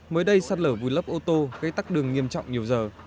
mới đây sạt lở vùi lấp ô tô gây tắc đường nghiêm trọng nhiều giờ